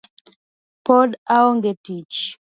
Pod aonge tich